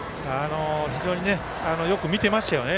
非常によく見てましたよね